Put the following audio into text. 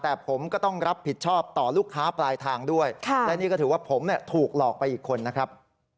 แต่ผมก็ต้องรับผิดชอบต่อลูกค้าปลายทางด้วยและนี่ก็ถือว่าผมถูกหลอกไปอีกคนนะครับ